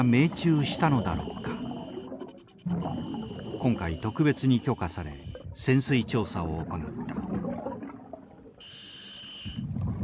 今回特別に許可され潜水調査を行った。